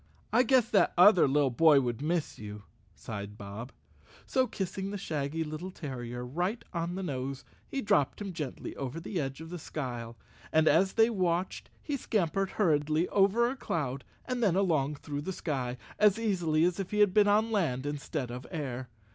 "I guess that other little boy would miss you," sighed Bob. So, kissing the shaggy little terrier right on the nose, he dropped him gently over the edge of the skyle, and as they watched he scampered hurriedly 151 The Cowardly Lion of Oz _ over a cloud and then along through the sky, as easily as if he had been on land instead of air.